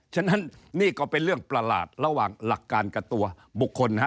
ฉะนั้นนี่ก็เป็นเรื่องประหลาดระหว่างหลักการกับตัวบุคคล